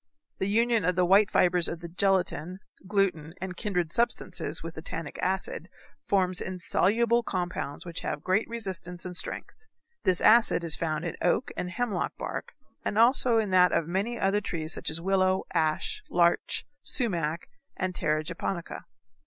The union of the white fibres of gelatin, gluten, and kindred substances with the tannic acid, forms insoluble compounds which have great resistance and strength. This acid is found in oak and hemlock bark, and also in that of many other trees such as willow, ash, larch, sumac, and terra japonica.